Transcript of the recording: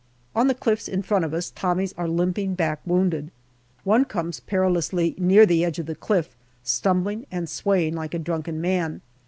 On the cliffs in front of us Tommies are limping back wounded. One comes perilously near the edge of the cliff, stumbling and swaying like a drunken man.